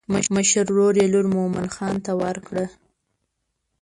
مشر ورور یې لور مومن خان ته ورکړه.